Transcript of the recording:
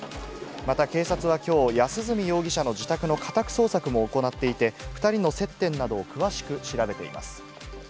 また警察はきょう、安栖容疑者の自宅の家宅捜索も行っていて、２人の接点などを詳しく調べています。